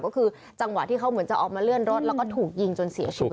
ก็คือจังหวะที่เขาเหมือนจะออกมาเลื่อนรถแล้วก็ถูกยิงจนเสียชีวิต